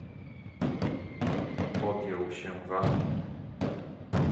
"Odjął się wam?"